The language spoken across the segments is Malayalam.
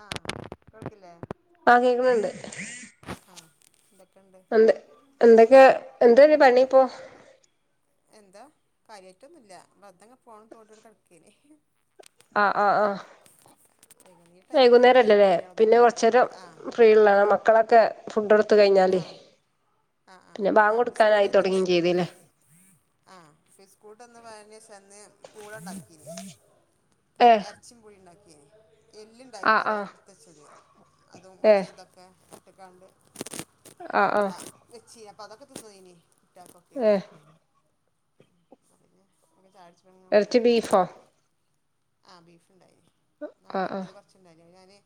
ആഹ്, കേൾക്കില്ലേ? ആഹ്, കേക്ക്ണ് ണ്ട്. ആഹ് എന്തെക്കെണ്ട്? നല്ലത്, എന്തൊക്കെ എന്തേനി പണിയിപ്പോ? എന്താ കാര്യായിട്ടൊന്നുല്ല വെറുതെങ്ങെനെ ഫോണ് തോണ്ടി അവ്ടെ കട്ക്കേനി. ആഹ് ആഹ് ആഹ് ഈ ടൈമിലൊക്കെ കാര്യമായിട്ട് വൈകുന്നേരല്ലെലേ? പണികളൊന്നും പിന്നെ ഉണ്ടാവില്ല കൊറച്ചേരം. ആ ഫ്രീയ്ള്ളത, മക്കളൊക്കെ ഫുഡ് കൊടുത്ത് ആ കഴിഞ്ഞാല്. ആ ആ ആ പിന്നെ ആ ബാങ്ക് ഓല് കൊടുക്കാനായി തൊടങ്ങിം ചെയ്തിലെ ആഹ്, ഫി സ്കൂൾട്ടെന്ന് [unintelligible] പൂളെണ്ടാക്കി നി ഏഹ് എർച്ചിം പൂളിം ഇണ്ടാക്കിനി എല്ല്ണ്ടായിനി ആഹ് അവിടെ ആഹ് ഇട്ത്തച്ചത്, അതും കൊറച്ച് ഏഹ് ഇതൊക്കെ ഇട്ട്ക്കാണ്ട്. ആഹ് ആഹ് എന്താ വെച്ചീനി, അപ്പ അതൊക്കെ തിന്ന് പോയീനി കുട്ട്യാൾകൊക്കെ ഏഹ് അപ്പ പിന്നെ, ചായ കുടിച്ച് ഇബടെങ്ങെനെ ഇറച്ചി കുത്തർക്കേനി. ബീഫോ ആഹ് ബീഫ്ണ്ടായിനി, ഇന്നാള് ആഹ് കിട്ടിയത് കൊറച്ച് ഇണ്ടായിനി അത് ഞാന്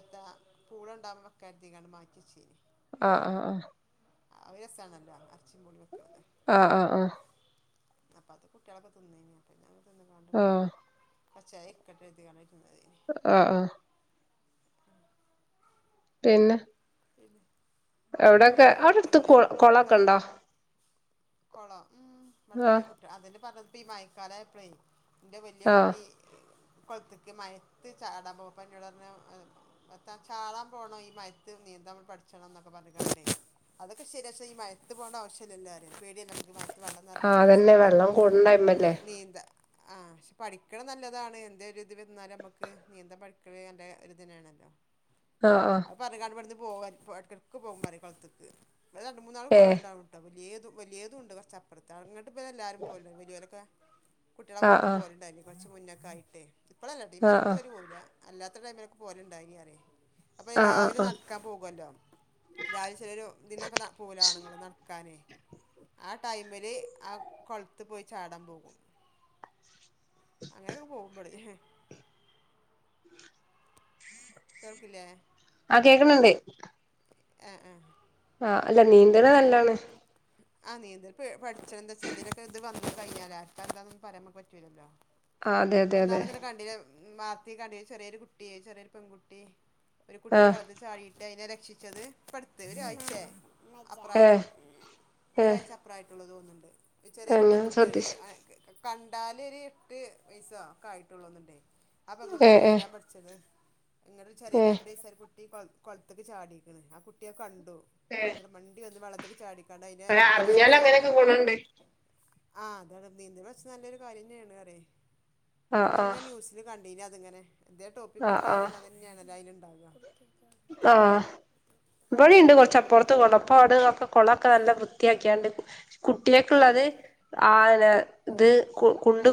എന്താ പൂളണ്ടാവുമ്പം ഇട്ക്ക കര്തിക്കാണ്ട് മാറ്റിവെച്ചിനി ആഹ് ആഹ് ആഹ് ആ ഒരു രസാണല്ലോ,? എർച്ചിം പൂളിം വെക്ക്ണത്. ആഹ് ആഹ് ആഹ് അപ്പ അത് കുട്ട്യാളൊക്കെ തിന്നീനി, അപ്പത് തിന്ന്ങ്ങാണ്ട്ങ്ങനെ ആഹ് കൊർച്ചേരം ഇരിക്കട്ടേ കര്തികാണ്ട് ഇര്ന്നതേനി. ആഹ് ആഹ് പിന്നെ? പിന്നെ? പിന്നെ എവിടൊക്കെ നിങ്ങളൊക്കെ അവിടെ അടുത്ത് വെക്കലില്ലേ കൊ കൊളൊക്കെണ്ടോ? കപ്പയും കൊളോ? ഉം, ഇവട്ണ്ട് ആഹ് കുട്ടി അതന്നെ പറഞ്ഞത്, ഇപ്പ ഈ മഴക്കാലായപ്പളെ ഇന്റെ വല്യ ആഹ് കുട്ടി കൊൾത്ത്ക്ക് മഴത്ത് ചാടാൻ പോവും അപ്പ ഇന്നോട് പർഞ്ഞു എത്താ ചാടാൻ പോണം, ഈ മഴത്ത് നീന്തം പഠിച്ചണം എന്നൊക്കെ പറഞ്ഞ്കാണ്ടെ അതൊക്കെ ശരിയ, പക്ഷെ ഈ മഴത്ത് പോവണ്ട ആവിശ്യല്ലല്ലോ പറയ, പേടിയല്ലേ നമ്മക്ക് ഈ മഴ ത്ത് വെള്ളം ആഹ് നർഞ്ഞിക്ക്‌ണ അതന്നെ വെള്ളം സമയത്ത് കൂടുന്ന ടൈമല്ലേ നീന്ത. ആഹ് പക്ഷെ പഠിക്കണത് നല്ലതാണ്, എന്തെ ഒരു ഇത് വന്നാല് നമ്മക്ക് നീന്തം പഠിക്കണത് നല്ല ഒരുരിതിനാണല്ലോ? ആഹ് ആഹ് പറഞ്ഞികാണ്ട് ഇവട്ന്ന് പോവും എടക്കെടക്ക് പോകും പറിയും കൊളത്ത്ക്ക്. ഇവിടെന്ന് രണ്ട് മൂന്നാല് ഏഹ് കൊളംണ്ടാണും വല്ല്യേതും വല്യേതുംണ്ട് കൊർച്ചപ്പുറത്ത്, അങ്ങട്ട് ഇബരെല്ലാരും പോവല്ണ്ട് വല്ല്യോരൊക്കെ. കുട്ടിയളെ ആഹ് കൊണ്ട് ആഹ് പോവല്ണ്ടായിനി കൊറച്ച് മുന്നൊക്കായിട്ടെ ഇപ്പളല്ലട്ടോ ഈ ആഹ് മയത്ത് ആഹ് ഓര് പോവുല അല്ലാത്ത ടൈമിലൊക്കെ പോല്ണ്ടായിനി പറിയെ അപ്പം ഈ ആഹ് രാവി ആഹ് ആഹ് നട്ക്കാൻ പോവൊല്ലോ രാവിലെ ചെലോല് ഇതിനൊക്കെ പോവല്ലോ ആണ്ങ്ങള് നടക്കാന് ആ ടൈമില് ആ കൊളത്ത് പോയി ചാടാൻ പോകും അങ്ങനൊക്കെ പോകും ബള് കേൾക്കില്ലേ ആഹ് കേക്കണണ്ട് എഹ് ഏഹ് ആഹ് അല്ല നീന്ത്‌ണ നല്ലാണ് ആ നീന്തൽ പഠിച്ച എന്താച്ചെന്തലൊക്കെ ഇത് വന്ന് കയ്ഞ്ഞാൽ ആർക്കാ എന്താനൊന്നും പറയാൻ ഞമ്മക്ക് പറ്റൂലല്ലോ ആഹ് അതെ അതെ അതെ പ്പന്നാളിങ്ങനെ കണ്ടീലെ വാർത്തി കണ്ടീലെ ചെറേരു കുട്ട്യെ ചെറേരു പെൺകുട്ടി ഒരു കുട്ടി ആഹ് വെള്ളത്തി ചാടിയിട്ട് അതിനെ രക്ഷിച്ചത് ഇപ്പടുത്ത് ഒരാഴ്ചായി ഏഹ് അപ്പറായിട്ടൊള്ളു ഏഹ് ഒരാഴ്ച അപ്പറായിട്ടുള്ളു തോന്ന്ണ്ട് ഒരു ചെറേരു ഏഹ് ഞാൻ പെൺകുട്ടിയാണ് ശ്രദ്ധിച്ചു കണ്ടാലൊരു എട്ട് വയസൊ ഒക്കെ ആയിട്ടുള്ളൂന്ന്ണ്ടേ ആ പെൺകുട്ടി ഏഹ് ഏഹ് നീന്താൻ പഠിച്ചത് അങ്ങനെ ഒരു ചെറേ ഏഹ് രണ്ട് വയസായ ഒരു കുട്ടി കൊളത്ത്ക്ക് ചാടിക്കണ് ആ കുട്ടി അത് കണ്ടു അതെ ഇങ്ങട് മണ്ടി വന്ന് വെള്ളത്ത്ക്ക് ചാടിക്കാണ്ട് അതിനെ അറിഞ്ഞാല് രക്ഷിച്ചു പറയെ അങ്ങനെയൊക്കെ ഗുണണ്ട് ആഹ് അതാണ് നീന്തൽ പഠിച്ചാൽ നല്ലൊരു കാര്യന്നെയാണ് പറയെ ആഹ് അതങ്ങനെ ആഹ് ന്യൂസില് കണ്ടീനി അത്ങ്ങനെ എന്തേ ടോപ്പിക്ക് ആഹ് ഇണ്ടായ ആഹ് പിന്നെ അതെന്നാണല്ലൊ അയില് ഉണ്ടാക ആഹ് ആ ഇബടീണ്ട് കൊറച്ചപ്പൊറത്ത് കൊളം ഇപ്പം അവുടൊക്കെ കൊളൊക്കെ നല്ല വൃത്തിയാക്കി ക്ക്യാണ്ട് കുട്ടേക്ക്ള്ളത് ആ പിന്നെ ഇത് കുണ്ട്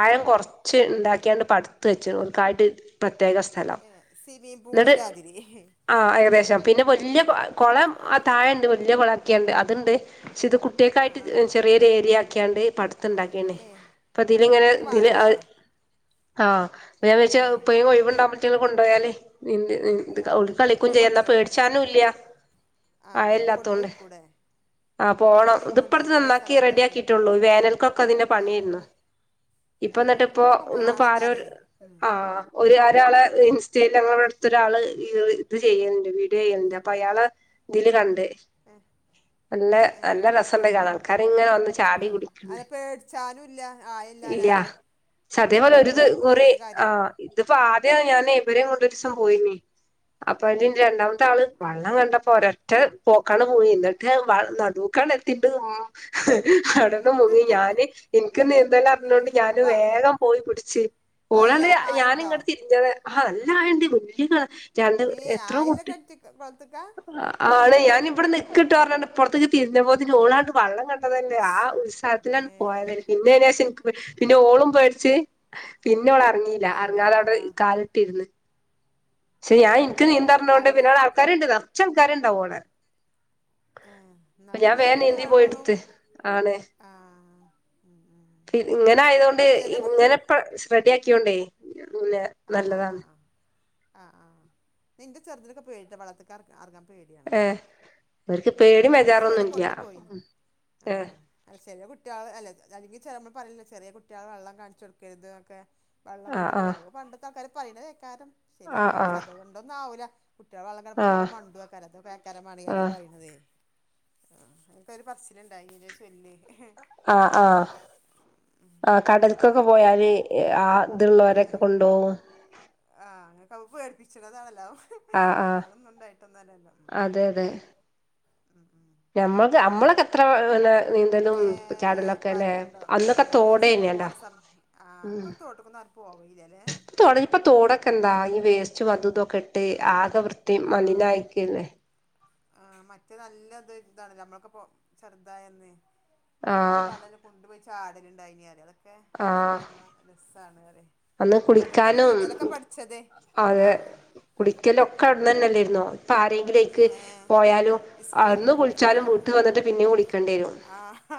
ആഴം കൊറച്ച് ഉണ്ടാക്കിയാണ്ട് പടുത് വെച്ച്ണ് ഓൽക്കായിട്ട് പ്രത്യേക സ് സ്ഥലം ഏ സ്വിമ്മിംഗ് ഇന്നട്ട് [unintelligible] ആഹ് ഏകദേശം പിന്നെ വല്യ കൊളം ആ താഴണ്ട് വല്യ കൊളാക്ക്യാണ്ട് അത്ണ്ട് പക്ഷെ ഇത് ആ കുട്ടേക്കായിട്ട് ആ ആ ചെറിയൊരു ഏരിയ ആക്കിയാണ്ട് പട് ത്ത്ണ്ടാക്കീണ് ഏ ഇപ്പം ഇതില് ഇങ്ങനെ അങ്ങനൊക്കെ ഇതില് വേണല്ലേ അവര് ആഹ് അപ്പം ഞാൻ ഏ വിചാരിച്ചു എപ്പഴേം ഒയ്വുണ്ടാവുമ്പം ഇത്റ്റങ്ങളെ കൊണ്ടോയാല് നീന്തി നി ആ ഓൽക്ക് കളിക്കും ഇജ് ചെയ്യ എന്നാ പേടിച്ചാനും ഇല്ല ആഹ് കൊണ്ട് ആഴല്ലാത്തോണ്ട് പൊയ്ക്കൂടെ ആഹ് പോണം ഇത്പ്പട്ത്ത് നന്നാക്കി റെഡി സമയത്തൊക്കെ ആക്കിയിട്ടുള്ളൂ ഈ വേനൽക്കൊക്കെ അതിന്റെ ഏ പണിയായിരുന്നു ഏ ഇപ്പന്നട്ട് ഇപ്പൊ അങ്ങനെയൊക്കെ ഇന്ന്പ്പ ആരോര് വേണന്നറിയേ ഉം ആഹ് ഒര് ഒരാളെ ഇൻസ്റ്റേല് ഞങ്ങളെ ഇവിടുത്ത ഒരാള് ഇത് ചെയ്യല്ണ്ട് വീഡിയൊ ചെയ്യല്ണ്ട് അപ്പം അയാളെ ഇതില് കണ്ട് എ നല്ല നല്ല രസണ്ട് കാണാൻ ആൾക്കാര് ഇങ്ങനെ വന്ന് ചാ ആഹ് അത് പേടിച്ചാനും ഇല്ല ആയല്ലാഞ്ഞാല് പക്ഷെ അതേപോലെ ഒരു പഠിക്കണോർക്ക് കുറി നല്ലൊരു ആ കാര്യമാണ് ഇതിപ്പാദ്യം ഞാന് ഇവരേം കൊണ്ട് ഒരീസം പോയിനി അപ്പോത്തിന് ഇൻ്റെ ഉം രണ്ടാമത്തെ ആള് വെള്ളം കണ്ടപ്പോ ഒരൊറ്റ പോക്കാണ്ട് പോയി ഇന്നട്ട് വ നടൂക്കാണ്ടെ ത്തിട്ട് അവുടുന്ന് മുങ്ങി ഞാന് ഇൻക്ക് നീന്തലറിഞ്ഞോണ്ട് ഞാന് അപ്പം വേഗം പോയി പിടിച്ച് അതല്ല ഓളന്ന് ആയണ്ടോ ഞാനിങ്ങട്ട് തിരിഞ്ഞത ആഹ് നല്ല ആയണ്ട് വല്യ കേ ഇമ്മേ ആയല്ല കെൺട്ട്ക് കൊൾത്ത്ക്ക ആണ് ഞാന് ഇവടെ നിക്കിട്ടൊ പറഞാണ്ട് ഇപ്പറത്ത്ക്ക് തിരിഞ്ഞപ്പോത്തിന് ഓളാണ്ട് വള്ളം കണ്ട ണ്ടതല്ലേ ആ ഉത്സാഹത്തിലാണ് ഏ പോയത് പിന്നെ അയ്‌നേഷം ഇൻക്ക് പേടി പിന്നെ ഓളും പേട്ച്ച് പിന്നെ ഓള് എറങ്ങീല്ല അള്ളാ അറങ്ങാതെ അവുടെ കാലിട്ടിര്ന്ന് പക്ഷെ ഞാൻ യാ ഇൻക്ക് പേ നീന്തർഞ്ഞോണ്ട് പിന്നെ അങ്ങനെ ആൾക്കാര്ണ്ട് നർച്ചാൾക്കാര്ണ്ടാവും അവുടെ ഏ അപ്പം എന്നാലും ഞാൻ വേം നിന്തി പേടിയാണാണും പോയിട്ത്ത് അവനെ ആ ഉം ഉം പി ഇങ്ങനെ ആയതോണ്ട് ചില കുഴി ഇങ്ങനെ ക്ക ശ്ര റെഡിയാക്കിയോണ്ടേ പിന്നെ ആഹ് ആഹ് നല്ലതാണ് ആഹ് ആഹ് ആഹ് ഇന്നാ ന്റെ ചെർതിനൊക്കെ പേടിയാട്ടോ വള്ളത്തി ക്ക് അറ അറങ്ങാൻ പേടിയാണ് ഏഹ് ഇവർക്ക് ഉം ഉം പേടിയും ഒരീസോലെ ബേജാറൊന്നും ഇല്ല കൊണ്ടുപോയിനിം ഏഹ് ആഹ് അല്ല ചെറ്യേ കുട്ട്യേള് അല്ല അല്ലെങ്കി ചെ നമ്മള് പറേലില്ലെ ചെറ്യേ കുട്ട്യേളെ വള്ളം കാണിച്ചൊടുക്കര്ത് ന്നൊക്കെ വള്ളം കൊണ്ടു ആഹ് പോക അതൊക്കെ പണ്ടത്താൾക്കാര് പറീണതേക്കാരം ശരിയാണ് ആഹ് പക്ഷെ ആഹ് അതുകൊണ്ടൊന്നും ആവൂല കുട്ട്യാള് വള്ളം ആഹ് [unintelligible] ങ്ങട് ആഹ് മണ്ടൊയ്ക്കാരം അതോക്കെ ആക്കാരം മാണേ അങ്ങനെ ആഹ് പറീണതെ ആഹ് അങ്ങനൊക്കെ ഒര് പറച്ചില് ഇണ്ടായിനിലെ ചൊല്ല് ആ് ആഹ് ആ കടൽക്കൊക്കെ പോയാല് ആഹ് ഇത്ള്ളോരെക്കെ ആഹ് കൊണ്ടോവും ആഹ് ഇങ്ങക്ക് അഹ് പേടിപ്പിച്ചണതാണല്ലാ ആഹ് ആഹ് അല്ലാതൊന്നും ഉണ്ടായിട്ടന്നല്ലല്ലോ ഉം ഊ ഊം ഞമ്മക്ക് ഞമ്മളൊക്കെത്ര പിന്നെ നീന്തലും ഏഹ് ചാടലൊക്കെ അല്ലേ പറയണ്ടോ അന്നൊക്കെ ഏഹ് സ്കൂള് തോടേനേടാ പോണ സമയ ആഹ് പ്പൊ തോട്ട്ക്കൊന്നും എർ പോവയില്ലല്ലേ തൊട് ഇപ്പൊ തോടൊക്കെന്താ ഈ വേസ്റ്റു അതൂ ഇതൊക്കെട്ട് ആകെ വൃത്തി ആഹ് മലിനായിക്കെല്ലെ ആഹ് മറ്റേത് നല്ലത് ഇതാണ് ഞമ്മളൊക്കെ പോ ചെർതായന്ന് എത്രങ്ങാനും ആഹ് വള്ളെ ള്ള കുണ്ടുപോയി ചാടല്ണ്ടായിനിം പറയാ അതൊക്കെ ആഹ് ആലോയ്ച്ചുമ്പ രസ്സാണ് പറെയ് അന്ന് കുളിക്കാനും അതെ ആഹ് കുളിക്കലൊക്കെ ഉം അവുട്ന്നന്നെ എല്ലേരുന്നോ ഇപ്പൊ ആരെങ്കിലയിക്ക് ഏഹ് പോയാലും ഇസ്കൂ അന്ന് കുളിച്ചാലും ആഹ് വീട്ട് വന്നിട്ട് പിന്നേം കുളിക്ക ആഹ്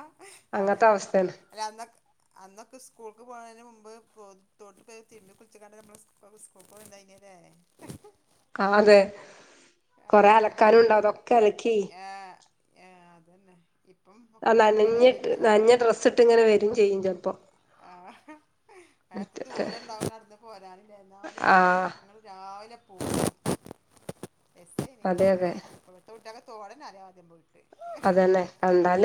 അതന്നെ അവസ്ഥയാണ് അല്ല അന്നൊക്കെ അന്നൊക്കെ സ്കൂൾക്ക് പോണതിന് മുമ്പ് ഇപ്പൊ തോട്ട്പ്പോയി തിര്മ്പി കുളിച്ച് കാണ്ടല്ലെ ഞമ്മള് സ്കൂൾ സ്കൂൾക്ക് പോയിണ്ടായിനേലെ ക്കാതേ കൊറെ ആഹാ അലക്കാനുണ്ടാവും അതൊക്കെ അലക്കി ആഹ് ആഹ് അതന്നെ ഇപ്പം ആ ഒക്കെ നനഞ്ഞിട്ട് പെരേലല്ലേ ആരും നനഞ്ഞ ഡ്രെസ്സ്ട്ട് ഇങ്ങനെ വരും ചെയ്യും ചെലപ്പൊ ആഹ് എത്ര ദൂരം ഇണ്ടാവും നടന്ന് പോരാനില്ലേ എന്നാലും അവ്ടുന്ന് ആഹ് [unintelligible] രാവിലെ പോവും രസേനിം അതെ അതെ ഇപ്പത്തെ കുട്ട്യാക്ക് തോടെന്നെ അറിയോ ആവോ ആദ്യം പോയിട്ട് അതന്നെ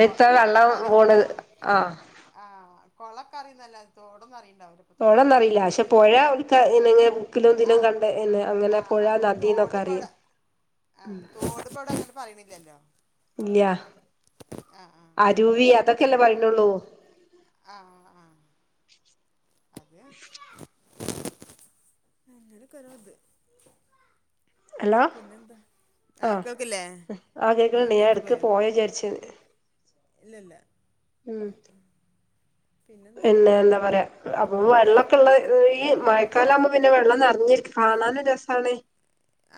കൊ വള്ളം കൊളക്കറി പോണ് ആഹ് ആഹ്‌ ആഹ് കൊളം ഒക്കെ അറീന്നല്ലാതെ തോടൊന്നും അറീണ്ടാകൂല തോടൊന്നറീല്ല പക്ഷെ പൊഴ ഓൽക്ക് [unintelligible] ആഹ്‌ കണ്ട് അങ്ങനെ ആഹ് പുഴ ആഹ് തോട് നദീന്നൊക്കെ അറിയും ഇപ്പവടെ തോട് ഇപ്പവടങ്ങനെ പറയ്ണില്ലല്ലോ ഇല്ല്യ ആഹ് ആഹ് ടൂവി അതൊക്കല്ലേ പറയ്ണൊള്ളൂ ആഹ്‌ ആഹ്‌ അതെ അങ്ങനൊക്കോരോത് ഹലോ പിന്നെന്താ ആഹ്‌ ആഹ് കേൾക്കില്ലേ ഏഹ് റേഞ്ച് പോയോ അപ്പൊ വിചാരിച്ചു ഇല്ലല്ല ഉം [unintelligible] പിന്നെ എന്താ പറയാ അപ്പൊ വെള്ളൊക്കെള്ള ഈ മഴക്കാലാവുമ്പോ പിന്നെ വെള്ളം നിറഞ്ഞിരിക്ക കാണാനു രസാണ്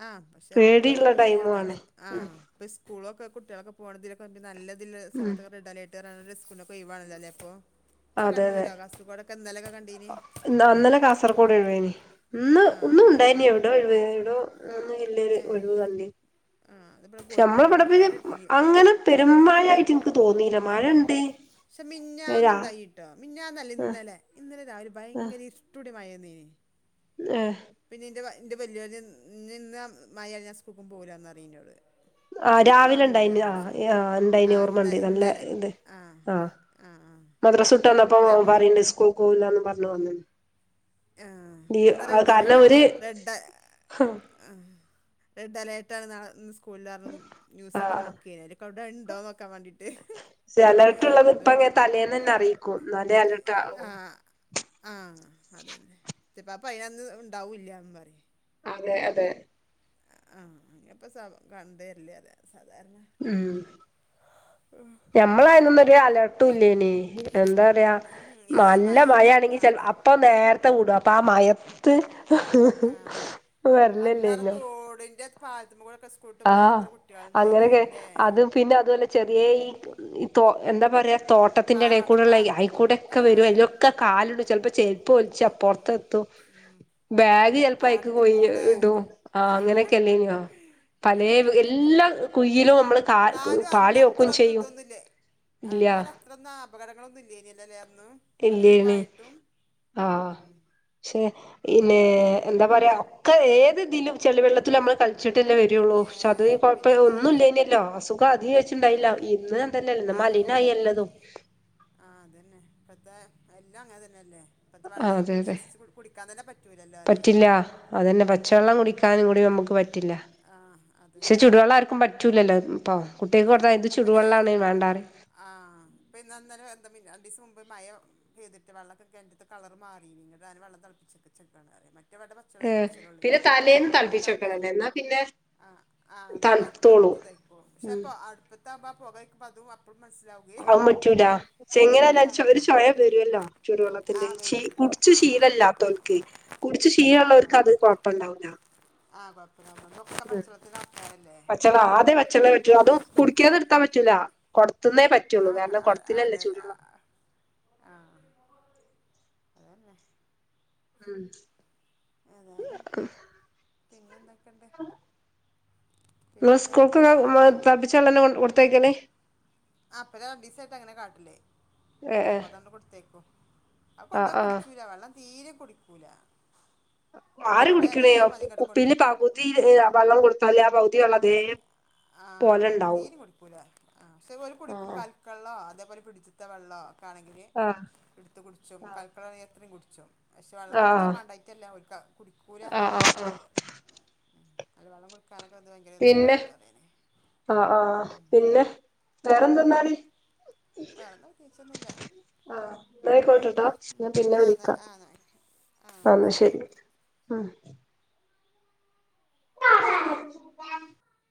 ആ പക്ഷെ മ് പേടിയുള്ള അതൊക്കെ ശരിയാണ് ടൈമും ആണ് ന്നാലും ഉം ആഹ് ഇപ്പ സ്കൂളൊക്കെ കുട്ട്യേളൊക്കെ പോണതിലൊ നല്ലതില്ല ഉം സമയത്തൊക്കെ റെഡ് അലർ [unintelligible] ക്കെ പോവാണല്ലേ ഇപ്പൊ കണ്ണൂരോ കാസർകോട് ഒക്കെ നല്ല ആ ഇന്നലെ കാസർകോടൊഴുവേനി ഇന്ന് ആഹ് ഒന്നും ആഹ് ഉണ്ടായിന കൺ എവിടോ ഒഴിവ എവിടോ ഒന്ന് ഇല്ല ഏഹ് ഒഴിവ കണ്ടി ആഹ് അത് നമ്മളുടെ ഇവിടെ അങ്ങനെ പെരുമഴയായിട്ട് എനിക്ക് തോന്നിയില്ല മഴ ഉണ്ട് പക്ഷെ രാ മിന്നാന്നുണ്ടായിട്ടോ മിന്നാന്നല്ല ആഹ് ഇന്നലെ ഇന്നലെ ഒരു ആഹ് ഭയങ്കര ഇഷ ഇപ്പോ ഇവിടെ മഴ ഏഹ് പിന്നെ എന്റെ എന്റെ വല്ലുവിളി നിന്ന് മഴ അഴിഞ്ഞാ സ്കൂക്കും പോകില്ലന്ന് പറയും ന്നോട് ആഹ് രാവിലെ ഉണ്ടായിന് ആ ആ് ഉണ്ടായിന് ആ ഇന്ന ഓർമ്മണ്ട് നല്ല ഇന്നലെ ഇത് ആ ആഹ് ആ ആ മദ്രാസുട്ട്ന്നപ്പ അല്ല അമ്മ- പറയണ്ട് സ്കൂൾ പോവില്ലന്ന് പറഞ്ഞു വന്ന ആ ഇന്ന് റെഡ് കാരണം ഒരു ആ റെഡ് അലേർട്ടാണ് നാളെ സ്കൂൾ ഇല്ല ന്യൂസൊക്കെ ആഹ് നോക്കിയേരിക്കും അവിടെ ഉണ്ടോന്ന്ക്കാൻ വേണ്ടിയിട്ട് അലേർട്ട്ള്ളത് ഇപ്പ എന്തോരം അങ്ങനെ തലേന്ന് തന്നെ അറിയിക്കൂ എന്നാല അലർട്ടാ ആ ആ അത തന്നെ ചപ്പോൾ അപ്പൾ അതിനന്ന് ഉണ്ടാവില്ല പറയും അതെ അതെ ആഹ അപ്പൊ കണ്ടരില്ലേ സാധാരണ ഉം ഞമ്മളയൊന്നൊ ഒരു അലട്ടല്ലേന എന്താ പറയാ ഉം ഏത നല്ല മഴയും ആ മഴയാണെങ്കിൽ അതെ ചിലപ്പോ പ്പൊ നേരത്തെ വിടും അപ്പൊ ആ മയത്ത് ആഹ് വരലല്ലേ ഇന പാലത്തുമ ക്കൂടോക്കെ സ്കൂളട്ട് പോണ എത്ര അങ്ങനെയൊക്കെ കുട്ടികൾണ്ടായിന്ല്ലേ അത് പിന്നെ അതുപോലെ ചെറിയ ഈ എന്താ പറയാ തോട്ട തോട്ടത്തിന്റെ ഇടയിൽ പാടം കൂടെള്ള പാട അയിക്കൂടെയൊക്കെ വരും ആഹ് അതിലൊക്കെ കാലുണ്ട് ചിലപ്പോ ചെരുപ്പ ഒലിച്ച് അപ്പുറത്തെ എത്തും ഉം ബാഗ് ചിലപ്പോക്ക് പാടത്ത് കൊയി കൂടെ ഇട ആ ആഹ് അങ്ങനെയൊക്കെ അല്ലേനോ പല ഏഹ് അതന്നെ എല്ലാ കുഴിയിലും നമ്മൾ എന്നാലും അന്ന് അത്രന്ന ഇതൊന്നില്ലേ ഇല്ല എന്നാല അത്രൊന്നും അപകടങ്ങളൊന്നുംല്ല ഇനല്ല അല്ലേ അന്ന് അങ്ങനൊക്കെ എല്ലയണ് ആയിട്ടും ആഹ ഉം പക്ഷേ പിന്നെ ഇപ്പള് എന്താ പറയാ ഒക്കെ ഏതെതിലും ചെളിവെള്ളത്തിൽ നമ്മള് കളിച്ചിട്ടല്ലേ വരും രുള്ളൂ പക്ഷെ അത് ഏഹ് കുഴപ്പം പിന്നല്ലാതെ ഒന്നും ഇനല്ലോ അസുഖ അധിക വെ ഉണ്ടായില്ല ഇന്ന് എന്തല്ലല്ല മലിന ആയില്ലതോ ആഹ അതന്നെ ഇപ്പത്തെ എല്ലാം അങ്ങനെ തന്നെയല്ലേ ഇപ്പഴത്തെ ആഹ് വെള്ളം അതെ നമുക്ക് അതെ വിശ്വസിച്ച് കുടിക്കാൻ തന്നെ പറ്റൂലല്ലോ അറിയേ പറ്റില്ല അതന്നെ ഉം ഉം [unintelligible] കൂടി നമുക്ക് പറ്റില്ല ആഹ് അതന്നെ പക്ഷെ ചൂടുവെള്ള ആർക്കും പറ്റില്ലല്ലോ ഇപ്പോൾ കുട്ടികൾക്ക് കൊടുത്താ ഇത് ചൂടു വെള്ളമാണ് വേണ്ടാ പറയും ആ ഇപ്പൊ അന്നേം എന്തന്ന രണ്ട് ദിവസം മുമ്പ് മഴ മഴ പെയ്തിട്ട് വെള്ളൊക്കെ കിണറ്റിലെ കളർ മാറി നിങ്ങട്ടഞ വെള്ളപ്പിച്ചക്കെക്കറ്റ എന്റെ മക്കളെ പച്ചളെ ഏഹ് കുടിച്ചാലള്ളൂ പിന്നെ തലേന്ന് ഇവിടെ തിളപ്പിച്ച് തളപ്പിച്ചെക്കണല്ലേ എന്നാ പിന്നെ ആ തണുത്തോളും ആപ്പിപ്പത്തൊടുതയിക്കോളും പക്ഷെ ഉം അപ്പൊ അടുപ്പത്താംമ്പം പൊകയക്കുമ്പോ അതും അപ്പൊഴും മനസ്സ്ലാവും പറയാൻ പറ്റൂല ചെങ്ങനല്ല ഒര് ചൊ ഒരു ആഹ് ചോയ വരുല്ലോ ചുടു ആ വെള്ളത്തിന്റെ ച്ച് വരും കുടിച്ച് ആ ശീലില്ലാ അതോൽക്ക് കുടിച്ച് ആ ആ ആ അതാണ് ക്ഷീലൊള്ളോർക്കത്ത് കൊഴപ്പൊണ്ടാവൂല്ല ആ കൊഴപ്പില്ല നമ്മളൊക്കെ പച്ചവെള്ളത്തിന്റെ ആൾക്കാരല്ലേ തെളാദ്യം പച്ചവെള്ളം വെച്ചു അതും കുടിക്കാത എടുത്താൻ പറ്റൂല കൊടത്തുന്നേ ആ പറ്റുള്ളൂ കാർണം കൊടത്തിലല്ലേ ചൂടള്ളം ആഹ് അതന്നെ ഉം ഏതായാലും പിന്നെ എന്തൊക്കെണ്ട് നിങ്ങളെ സ്കൂൾക്ക് ഉമ്മാ വീട്ടിലൊക്കെ തെളപ്പിച്ച വെള്ളല്ലെ കൊടുത്തയക്കണെ ആപ്പ രണ്ടീസായിട്ട് അങ്ങനെ കാട്ടില്ലേ ഏഹ് അപ്പൊ ഏഹ് അതണ്ട് കൊടുത്തേക്കും അവ കൊണ്ടോയ ആഹ് ആഹ് കുടിച്ചൂല വെള്ളം തീരെ കുടിക്കൂല ആര് കൊണ്ടുപോയി കുടിക്കണേ അതേമാതിരി ഇങ്ങോട്ട് കുപ്പീല് കൊണ്ടുവരും പകുതി ഉം വെള്ളം കൊടുത്താലേ ആ പൗ ആഹ് തീരേം കുടിക്കൂല ആ പക്ഷെ ഓൽ കുടിക്കും ആഹ് കാൽ വെള്ളാ അതേപോലെ പിടിച്ചിത്ത വെള്ളാ ഒക്കെ ആണെങ്കില് ആഹ് എടുത്ത് കുടിച്ചും കൽ മക്കള എത്രയും കുടിച്ചും പക്ഷെ വെള്ളം ആഹ് കുടിച്ചാ ആഹ് മാണ്ടായിട്ടല്ല ഓര്ക്ക് കുടിക്കൂല അതാണ് ആഹ് ആഹ് അല്ല വെള്ളം കൊടുക്കാനൊക്കെ അത് ഭയങ്കര ഗെതിയടാണല്ലോ പറേന്നെ ആ ആഹ് പിന്നെ വേറെന്തെന്നാല് വേറന്ന പ്രതേയിച്ചൊന്നുല്ല ആഹ് ഉം ന്നായിക്കോട്ടെട്ടോ ഞാൻ പിന്നെ ആന്നെ വിളിക്കാം ആന്നെ ആ എന്നാ ശരി ഓക്കെ ആഹ് [unintelligible]